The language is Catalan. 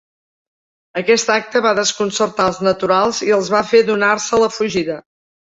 Aquest acte va desconcertar als naturals i els va fer donar-se a la fugida.